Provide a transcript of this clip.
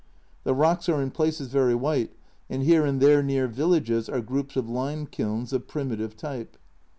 The rocks are in places very white, and here and there near villages are groups of lime kilns of primitive type.